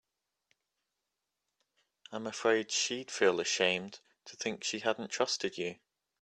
I'm afraid she'd feel ashamed to think she hadn't trusted you.